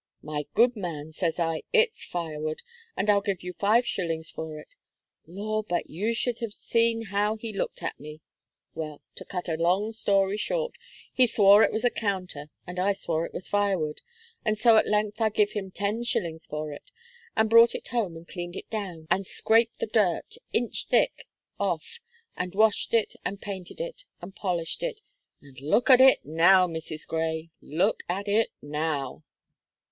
'My good man,' says I, 'it's firewood, and I'll give you five shillings for it.' Law, but you should have seen how he looked at me. Well, to cut a long story short, he swore it was a counter, and I swore it was firewood, and so, at length, I give him ten shillings for it, and brought it home and cleaned it down, and scraped the dirt, inch thick, off, and washed it, and painted it, and polished it, and look at it now, Mrs. Gray, look at it now!"